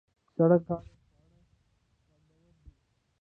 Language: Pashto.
د سړک غاړې خواړه خوندور دي.